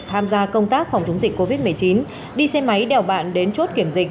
tham gia công tác phòng chống dịch covid một mươi chín đi xe máy đèo bạn đến chốt kiểm dịch